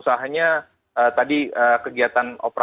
di sisi lainnya juga tadi terkait juga dengan sektor usaha